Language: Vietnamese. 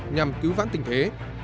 nhằm cứu vãn tình thế